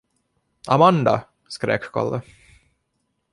Amanda! skrek Kalle.